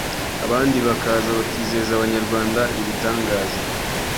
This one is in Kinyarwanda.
abandi bakaza bakizeza Abanyarwanda ibitangaza